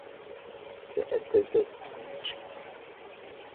سأتزوج